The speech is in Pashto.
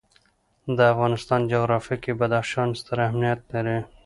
د افغانستان جغرافیه کې بدخشان ستر اهمیت لري.